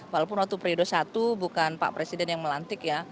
walaupun waktu periode satu bukan pak presiden yang melantik ya